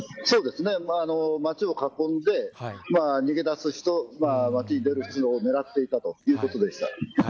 そうですね、街を囲んで逃げ出す人、街に出る人を狙っていたということでした。